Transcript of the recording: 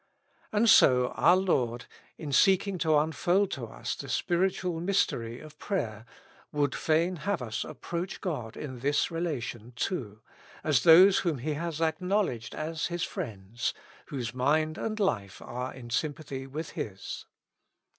And so our Lord, in seeking to unfold to us the spiritual mystery of prayer, would fain have us approach God in this relation, too, as those whom He has acknowledged as His friends, whose mind and life are in sympathy with His.